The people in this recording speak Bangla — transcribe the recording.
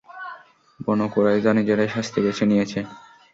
বনু কুরাইযা নিজেরাই শাস্তি বেছে নিয়েছে।